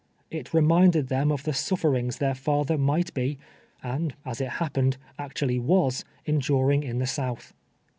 It reminded, them of the suiicrings their fa ther might be, and, as it liappened, actually ww.9, en during ill the South.